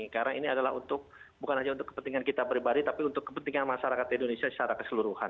karena ini adalah untuk bukan saja untuk kepentingan kita beribadi tapi untuk kepentingan masyarakat di indonesia secara keseluruhan